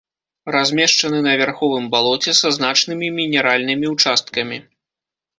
Размешчаны на вярховым балоце са значнымі мінеральнымі ўчасткамі.